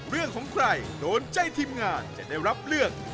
เรื่องของใครโดนใจทีมงานจะได้รับเลือก